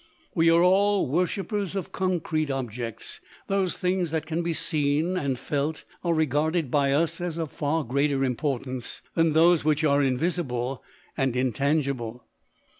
We are all worshippers of concrete objects; those things that can be seen and felt are regarded by us as of far greater importance than those which are invisible and intangible.